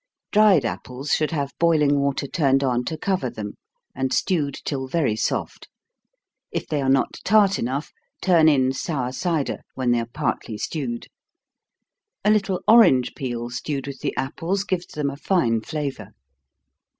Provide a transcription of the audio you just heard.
Dried apples should have boiling water turned on to cover them, and stewed till very soft. If they are not tart enough, turn in sour cider, when they are partly stewed. A little orange peel stewed with the apples, gives them a fine flavor.